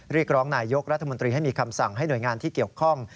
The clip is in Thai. เรียกร้องนายยกรัฐมนตรีให้มีคำสั่งให้หน่วยงานที่เกี่ยวข้อง